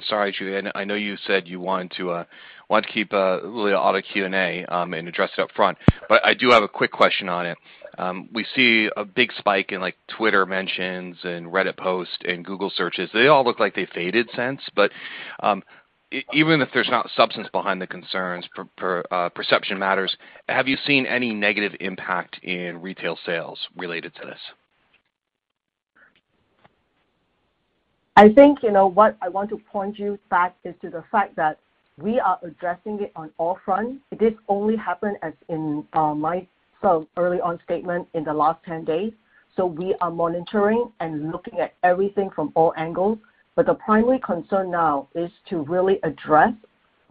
Sorry, JuE Wong, I know you said you wanted to keep really all the Q&A and address it up front, but I do have a quick question on it. We see a big spike in, like, Twitter mentions and Reddit posts and Google searches. They all look like they faded since, but even if there's not substance behind the concerns, perception matters, have you seen any negative impact in retail sales related to this? I think, you know, what I want to point out the fact is to the fact that we are addressing it on all fronts. It only happened as in my sort of early on statement in the last 10 days. We are monitoring and looking at everything from all angles. The primary concern now is to really address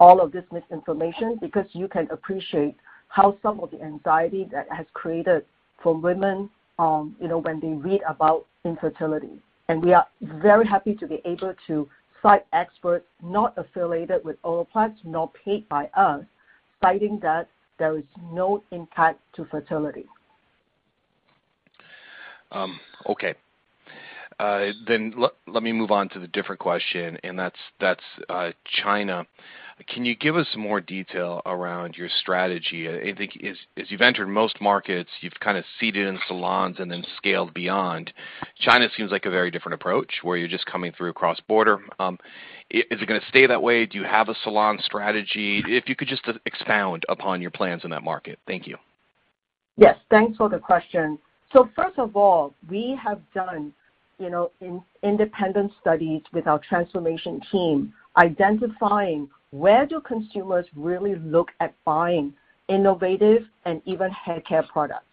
all of this misinformation, because you can appreciate how some of the anxiety that has created for women, you know, when they read about infertility. We are very happy to be able to cite experts not affiliated with Olaplex, nor paid by us, citing that there is no impact to fertility. Okay. Let me move on to a different question, and that's China. Can you give us more detail around your strategy? I think as you've entered most markets, you've kind of seeded in salons and then scaled beyond. China seems like a very different approach, where you're just coming through cross-border. Is it gonna stay that way? Do you have a salon strategy? If you could just expound upon your plans in that market. Thank you. Yes. Thanks for the question. First of all, we have done, you know, in independent studies with our transformation team, identifying where do consumers really look at buying innovative and even hair care products.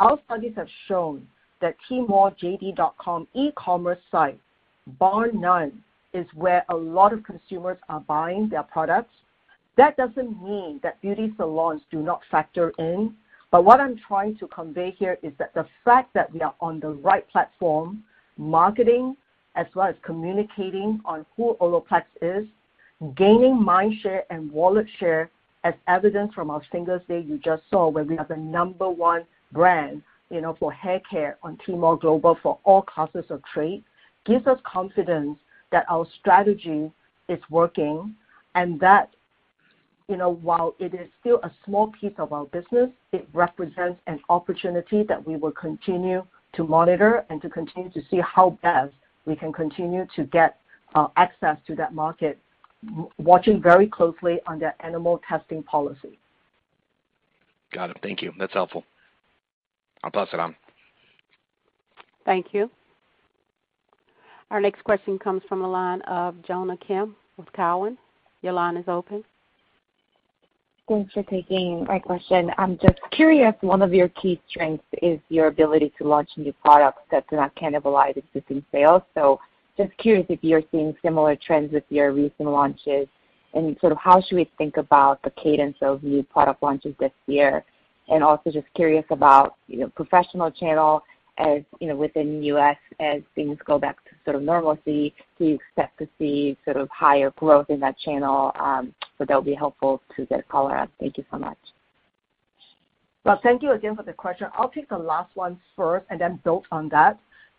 Our studies have shown that Tmall/JD.com e-commerce site, bar none, is where a lot of consumers are buying their products. That doesn't mean that beauty salons do not factor in, but what I'm trying to convey here is that the fact that we are on the right platform, marketing, as well as communicating on who Olaplex is, gaining mind share and wallet share, as evident from our Singles' Day you just saw, where we are the number one brand, you know, for hair care on Tmall Global for all classes of trade, gives us confidence that our strategy is working. that, you know, while it is still a small piece of our business, it represents an opportunity that we will continue to monitor and to continue to see how best we can continue to get access to that market, watching very closely on their animal testing policy. Got it. Thank you. That's helpful. I'll pass it on. Thank you. Our next question comes from the line of Jonna Kim with Cowen. Your line is open. Thanks for taking my question. I'm just curious, one of your key strengths is your ability to launch new products that do not cannibalize existing sales. Just curious if you're seeing similar trends with your recent launches. Sort of how should we think about the cadence of new product launches this year? Just curious about, you know, professional channel, as, you know, within U.S., as things go back to sort of normalcy, do you expect to see sort of higher growth in that channel? That would be helpful to wrap the call. Thank you so much. Well, thank you again for the question. I'll take the last ones first and then build on that.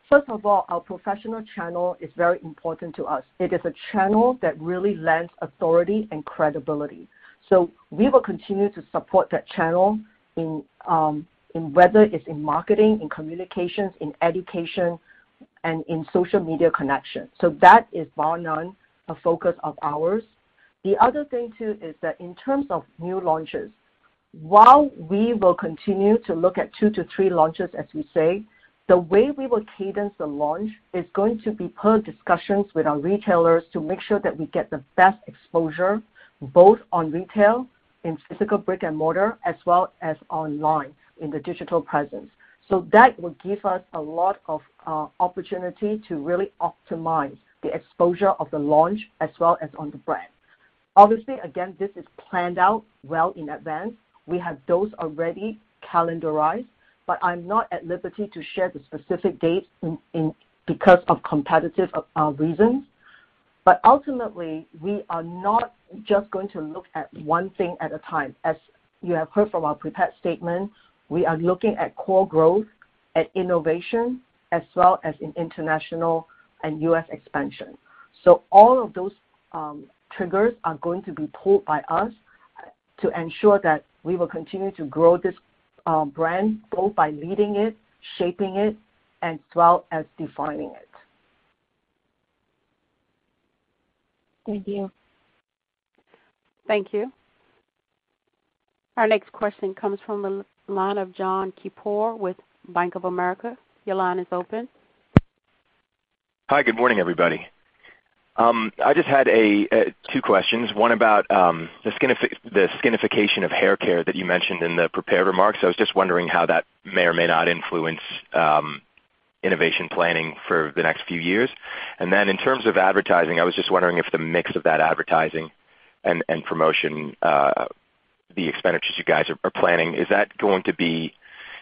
First of all, our professional channel is very important to us. It is a channel that really lends authority and credibility. We will continue to support that channel in whether it's in marketing, in communications, in education, and in social media connection. That is bar none a focus of ours. The other thing too is that in terms of new launches, while we will continue to look at 2 to 3 launches, as we say, the way we will cadence the launch is going to be per discussions with our retailers to make sure that we get the best exposure, both on retail, in physical brick and mortar, as well as online in the digital presence. That will give us a lot of opportunity to really optimize the exposure of the launch as well as on the brand. Obviously, again, this is planned out well in advance. We have those already calendarized, but I'm not at liberty to share the specific dates because of competitive reasons. Ultimately, we are not just going to look at one thing at a time. As you have heard from our prepared statement, we are looking at core growth and innovation as well as in international and U.S. expansion. All of those triggers are going to be pulled by us to ensure that we will continue to grow this brand both by leading it, shaping it, as well as defining it. Thank you. Thank you. Our next question comes from the line of John Kapoor with Bank of America. Your line is open. Hi. Good morning, everybody. I just had two questions, one about the skinification of hair care that you mentioned in the prepared remarks. I was just wondering how that may or may not influence innovation planning for the next few years. Then in terms of advertising, I was just wondering if the mix of that advertising and promotion, the expenditures you guys are planning, is that going to be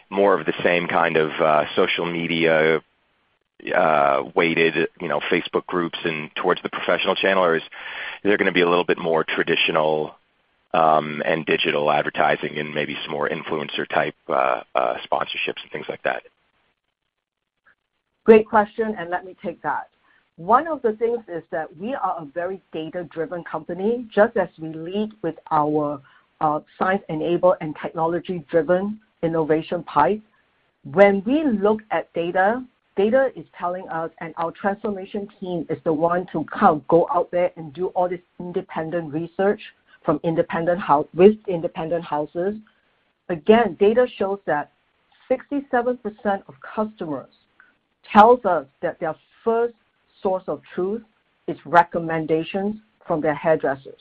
more of the same kind of social media weighted, you know, Facebook groups and towards the professional channel? Or is there gonna be a little bit more traditional and digital advertising and maybe some more influencer type sponsorships and things like that? Great question, and let me take that. One of the things is that we are a very data-driven company, just as we lead with our science-enabled and technology-driven innovation pipeline. When we look at data is telling us, and our transformation team is the one to kind of go out there and do all this independent research from independent houses. Again, data shows that 67% of customers tells us that their first source of truth is recommendations from their hairdressers.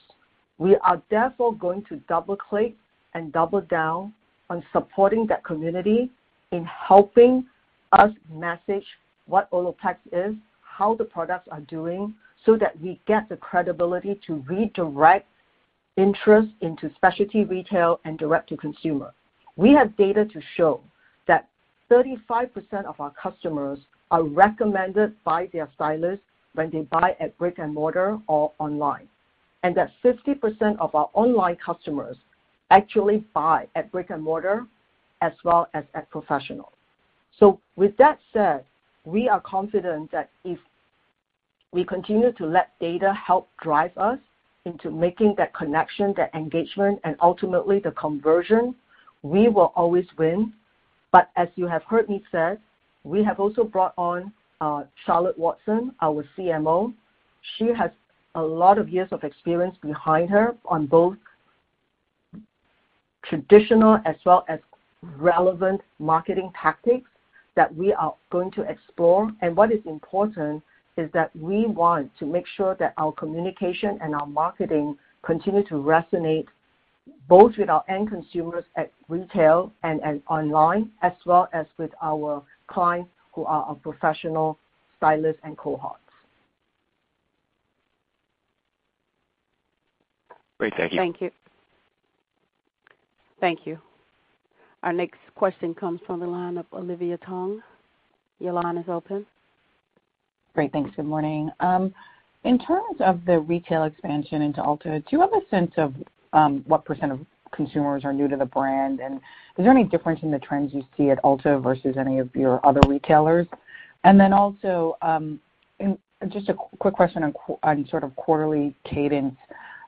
We are therefore going to double-click and double down on supporting that community in helping us message what Olaplex is, how the products are doing, so that we get the credibility to redirect interest into specialty retail and direct to consumer. We have data to show that 35% of our customers are recommended by their stylist when they buy at brick-and-mortar or online. That 50% of our online customers actually buy at brick-and-mortar as well as at professional. With that said, we are confident that if we continue to let data help drive us into making that connection, that engagement, and ultimately the conversion, we will always win. As you have heard me say, we have also brought on Charlotte Watson, our CMO. She has a lot of years of experience behind her on both traditional as well as relevant marketing tactics that we are going to explore. What is important is that we want to make sure that our communication and our marketing continue to resonate both with our end consumers at retail and online, as well as with our clients who are our professional stylists and cohorts. Great. Thank you. Thank you. Thank you. Our next question comes from the line of Olivia Tong. Your line is open. Great. Thanks. Good morning. In terms of the retail expansion into Ulta, do you have a sense of what % of consumers are new to the brand? Is there any difference in the trends you see at Ulta versus any of your other retailers? Then also, just a quick question on sort of quarterly cadence,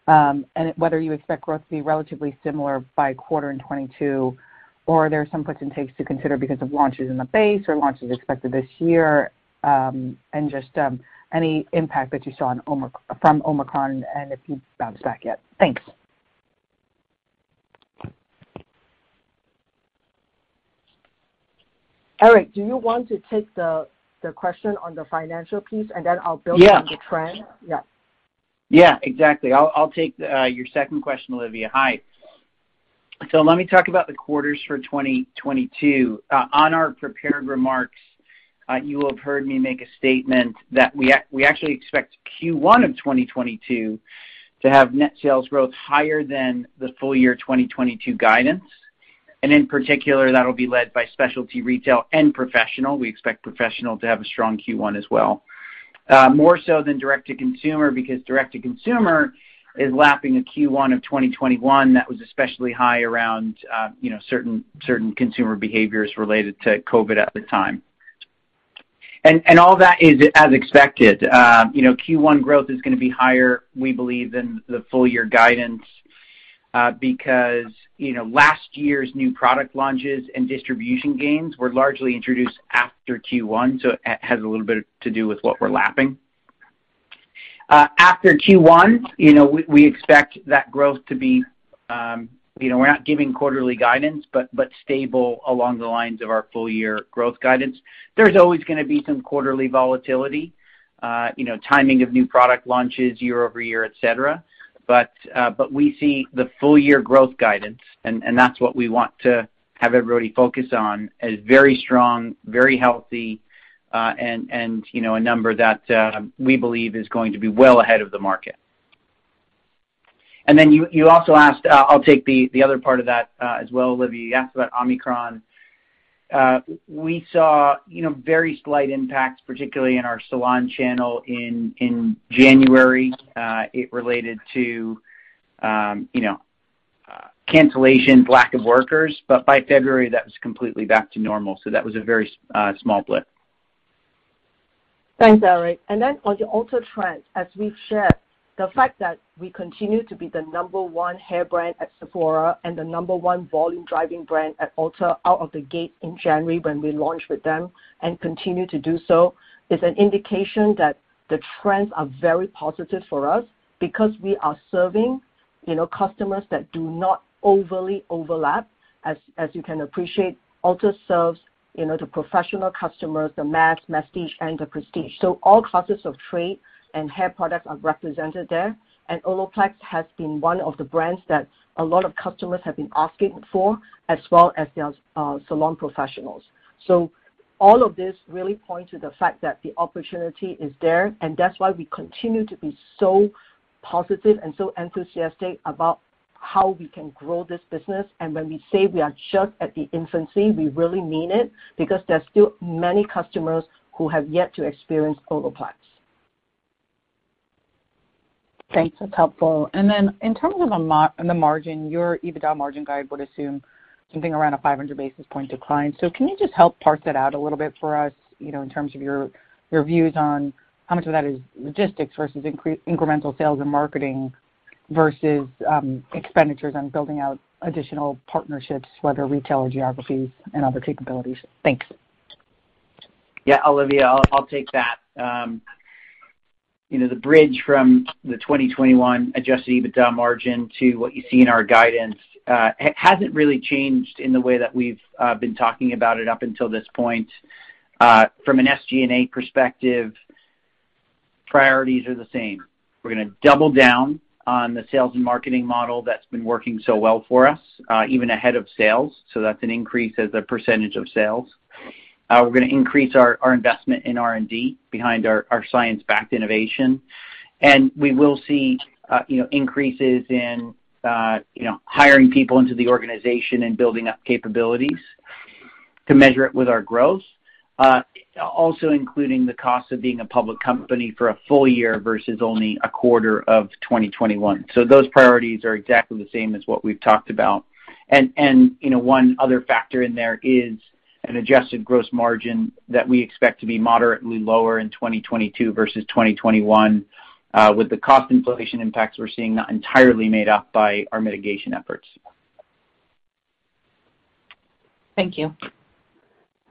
and whether you expect growth to be relatively similar by quarter in 2022, or are there some puts and takes to consider because of launches in the base or launches expected this year? Just, any impact that you saw from Omicron, and if you've bounced back yet. Thanks. Eric, do you want to take the question on the financial piece, and then I'll build- Yeah. on the trend? Yeah. Yeah, exactly. I'll take your second question, Olivia. Hi. So let me talk about the quarters for 2022. On our prepared remarks, you will have heard me make a statement that we actually expect Q1 of 2022 to have net sales growth higher than the full year 2022 guidance. In particular, that'll be led by specialty retail and professional. We expect professional to have a strong Q1 as well. More so than direct-to-consumer, because direct-to-consumer is lapping a Q1 of 2021 that was especially high around, you know, certain consumer behaviors related to COVID at the time. All that is as expected. You know, Q1 growth is gonna be higher, we believe, than the full year guidance, because, you know, last year's new product launches and distribution gains were largely introduced after Q1, so it has a little bit to do with what we're lapping. After Q1, you know, we expect that growth to be, you know, we're not giving quarterly guidance, but stable along the lines of our full year growth guidance. There's always gonna be some quarterly volatility, you know, timing of new product launches year-over-year, et cetera. We see the full year growth guidance, and that's what we want to have everybody focus on, as very strong, very healthy, and, you know, a number that we believe is going to be well ahead of the market. Then you also asked, I'll take the other part of that as well, Olivia. You asked about Omicron. We saw very slight impacts, particularly in our salon channel in January. It related to cancellation, lack of workers, but by February, that was completely back to normal. That was a very small blip. Thanks, Eric. On the Ulta trend, as we've shared, the fact that we continue to be the number one hair brand at Sephora and the number one volume driving brand at Ulta out of the gate in January when we launched with them and continue to do so, is an indication that the trends are very positive for us because we are serving, you know, customers that do not overly overlap. As you can appreciate, Ulta serves, you know, the professional customers, the mass, prestige, and the prestige. All classes of trade and hair products are represented there. Olaplex has been one of the brands that a lot of customers have been asking for, as well as the salon professionals. All of this really points to the fact that the opportunity is there, and that's why we continue to be so positive and so enthusiastic about how we can grow this business. When we say we are just in the infancy, we really mean it because there's still many customers who have yet to experience Olaplex. Thanks. That's helpful. In terms of the margin, your EBITDA margin guide would assume something around a 500 basis point decline. Can you just help parse that out a little bit for us, you know, in terms of your views on how much of that is logistics versus incremental sales and marketing versus expenditures on building out additional partnerships, whether retail or geographies and other capabilities? Thanks. Yeah. Olivia, I'll take that. You know, the bridge from the 2021 adjusted EBITDA margin to what you see in our guidance hasn't really changed in the way that we've been talking about it up until this point. From an SG&A perspective, priorities are the same. We're gonna double down on the sales and marketing model that's been working so well for us, even ahead of sales. That's an increase as a percentage of sales. We're gonna increase our investment in R&D behind our science-backed innovation, and we will see increases in hiring people into the organization and building up capabilities to measure it with our growth, also including the cost of being a public company for a full year versus only a quarter of 2021. Those priorities are exactly the same as what we've talked about. You know, one other factor in there is an adjusted gross margin that we expect to be moderately lower in 2022 versus 2021, with the cost inflation impacts we're seeing not entirely made up by our mitigation efforts. Thank you.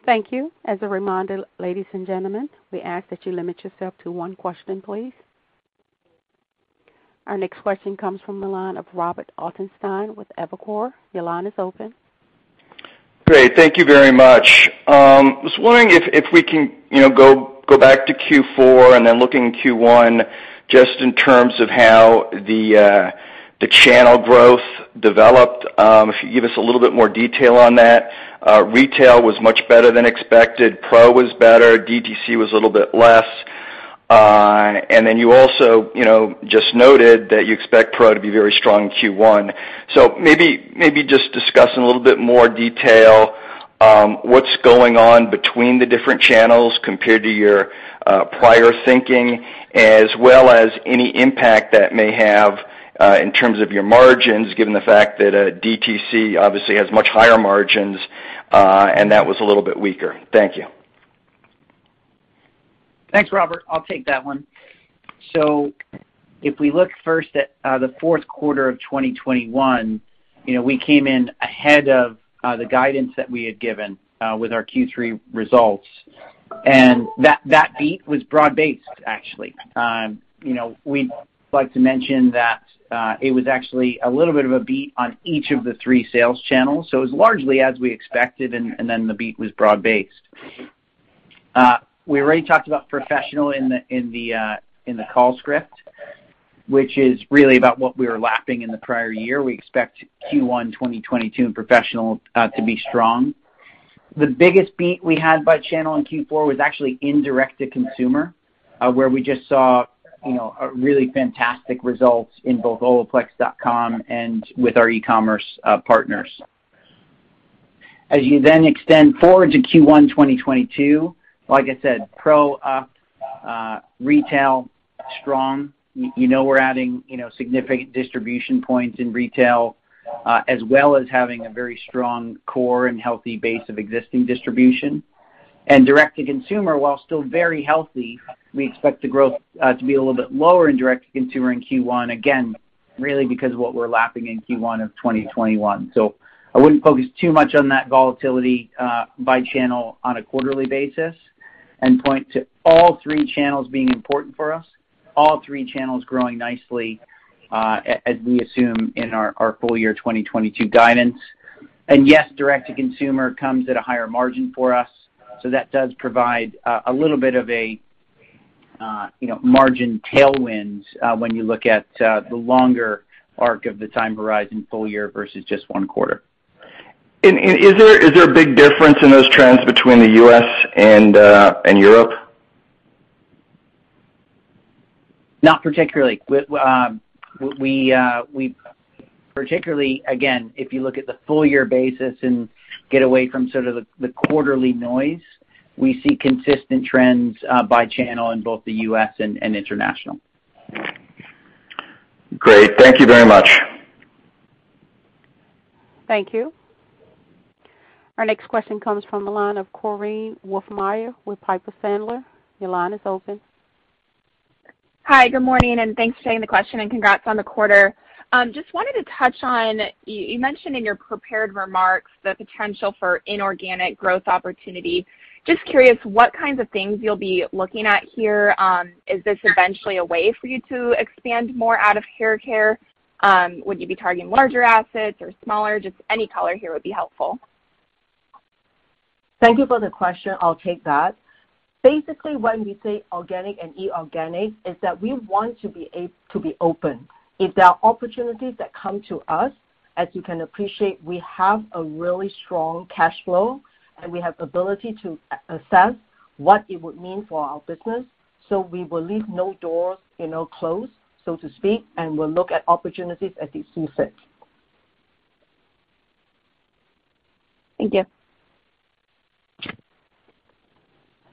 Thank you. As a reminder, ladies and gentlemen, we ask that you limit yourself to one question, please. Our next question comes from the line of Robert Ottenstein with Evercore. Your line is open. Great. Thank you very much. Was wondering if we can, you know, go back to Q4 and then looking in Q1, just in terms of how the channel growth developed, if you give us a little bit more detail on that. Retail was much better than expected, pro was better, DTC was a little bit less. You also, you know, just noted that you expect pro to be very strong in Q1. Maybe just discuss in a little bit more detail what's going on between the different channels compared to your prior thinking, as well as any impact that may have in terms of your margins, given the fact that DTC obviously has much higher margins and that was a little bit weaker. Thank you. Thanks, Robert. I'll take that one. So, if we look first at the Q4 of 2021, you know, we came in ahead of the guidance that we had given with our Q3 results. That beat was broad-based actually. You know, we'd like to mention that it was actually a little bit of a beat on each of the three sales channels. So, it was largely as we expected, and then the beat was broad-based. We already talked about professional in the call script, which is really about what we were lapping in the prior year. We expect Q1 2022 in professional to be strong. The biggest beat we had by channel in Q4 was actually direct to consumer, where we just saw, you know, a really fantastic results in both olaplex.com and with our e-commerce partners. As you then extend forward to Q1 2022, like I said, pro up, retail strong. You know we're adding, you know, significant distribution points in retail, as well as having a very strong core and healthy base of existing distribution. Direct to consumer, while still very healthy, we expect the growth to be a little bit lower in direct to consumer in Q1, again, really because of what we're lapping in Q1 of 2021. I wouldn't focus too much on that volatility by channel on a quarterly basis, and point to all three channels being important for us, all three channels growing nicely, as we assume in our full year 2022 guidance. Yes, direct to consumer comes at a higher margin for us, so that does provide a little bit of a you know, margin tailwind when you look at the longer arc of the time horizon full year versus just one quarter. Is there a big difference in those trends between the U.S. and Europe? Not particularly. Particularly, again, if you look at the full year basis and get away from sort of the quarterly noise, we see consistent trends by channel in both the U.S. and international. Great. Thank you very much. Thank you. Our next question comes from the line of Korinne Wolfmeyer with Piper Sandler. Your line is open. Hi. Good morning, and thanks for taking the question, and congrats on the quarter. Just wanted to touch on, you mentioned in your prepared remarks the potential for inorganic growth opportunity. Just curious what kinds of things you'll be looking at here. Is this eventually a way for you to expand more out of hair care? Would you be targeting larger assets or smaller? Just any color here would be helpful. Thank you for the question. I'll take that. Basically, when we say organic and inorganic is that we want to be to be open. If there are opportunities that come to us, as you can appreciate, we have a really strong cash flow, and we have ability to assess what it would mean for our business. We will leave no doors, you know, closed, so to speak, and we'll look at opportunities as we see fit. Thank you.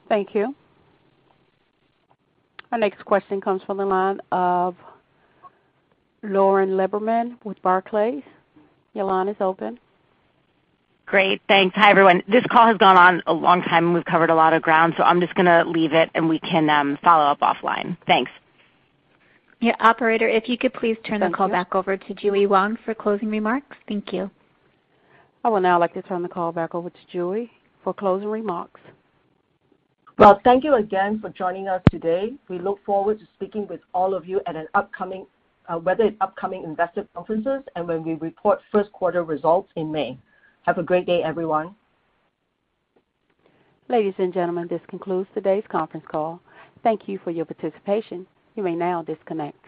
Thank you. Our next question comes from the line of Lauren Lieberman with Barclays. Your line is open. Great. Thanks. Hi, everyone. This call has gone on a long time, and we've covered a lot of ground, so I'm just gonna leave it, and we can follow up offline. Thanks. Yeah. Operator, if you could please turn the call back over to JuE Wong for closing remarks. Thank you. I would now like to turn the call back over to JuE Wong for closing remarks. Well, thank you again for joining us today. We look forward to speaking with all of you at an upcoming, whether it's upcoming investor conferences and when we report Q1 results in May. Have a great day, everyone. Ladies and gentlemen, this concludes today's conference call. Thank you for your participation. You may now disconnect.